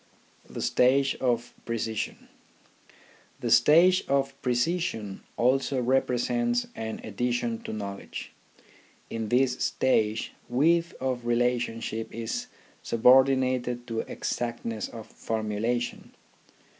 THE STAGE OF PRECISION The stage of precision also represents an addi tion to knowledge. In this stage, width of relation ship is subordinated to exactness of formulation.